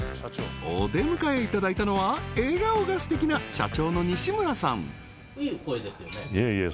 お出迎えいただいたのは笑顔がすてきな社長の西村さんいえいえ